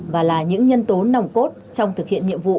và là những nhân tố nòng cốt trong thực hiện nhiệm vụ